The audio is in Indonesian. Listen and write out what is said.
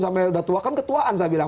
sampai udah tua kan ketuaan saya bilang